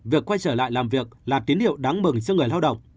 việc quay trở lại làm việc là tín hiệu đáng mừng cho người lao động